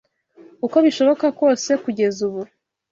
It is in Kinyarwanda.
uko bishoboka kose kugeza ubu,